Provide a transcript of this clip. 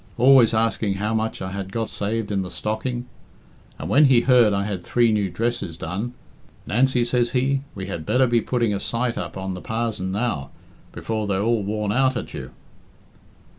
Always asking how much I had got saved in the stocking. And when he heard I had three new dresses done, 'Nancy,' says he, 'we had better be putting a sight up on the parzon now, before they're all wore out at you.'"